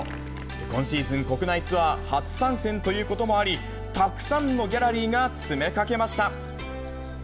今シーズン、国内ツアー初参戦ということもあり、たくさんのギャラリーが詰めかけました。